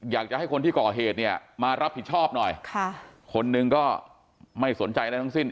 อยากจะให้คนที่ก่อเหตุเนี่ยมารับผิดชอบหน่อยค่ะคนหนึ่งก็ไม่สนใจอะไรทั้งสิ้น